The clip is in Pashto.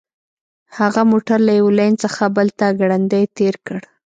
هغه موټر له یوه لین څخه بل ته ګړندی تیر کړ